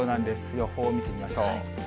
予報見てみましょう。